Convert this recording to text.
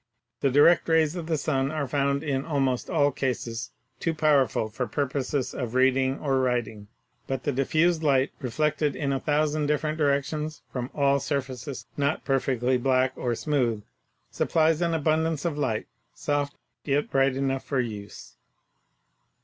The direct rays of the sun are found, in al most all cases, too powerful for purposes of reading or writing, but the diffused light reflected in a thousand dif ferent directions from all surfaces not perfectly black or smooth supplies an abundance of light, soft, yet bright enough for use.